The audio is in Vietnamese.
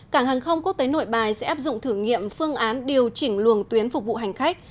cảng hàng không quốc tế nội bài sẽ áp dụng thử nghiệm phương án điều chỉnh luồng tuyến phục vụ hành khách